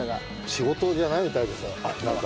仕事じゃないみたいですなんか。